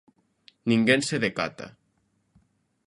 Ninguén se decata.